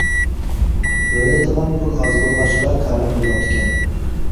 تۆلەيدىغان پۇل ئاز بولغاچقا كارىم بولماپتىكەن.